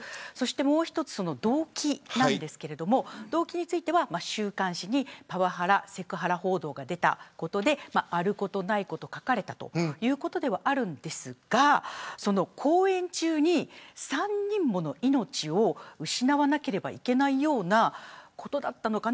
もう一つ、動機についてですが週刊誌にパワハラ、セクハラ報道が出たことであることないこと書かれたということではありますが公演中に３人もの命を失わなければいけないようなことだったのか。